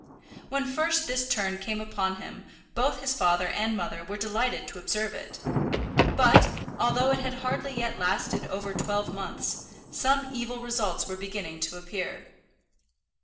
When first this turn came upon him both his father and mother were delighted to observe it; but, although it had hardly yet lasted over twelve months, some evil results were beginning to appear.